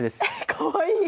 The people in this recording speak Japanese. かわいい。